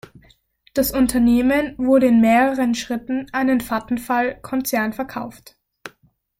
Das Unternehmen wurde in mehreren Schritten an den Vattenfall-Konzern verkauft.